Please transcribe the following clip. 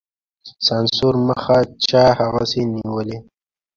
د سانسور مخه چا هغسې نېولې.